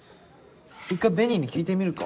一回紅に聞いてみるか。